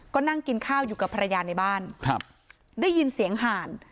ก็นั่งกินข้าวอยู่กับภรรยาในบ้านครับได้ยินเสียงห่าน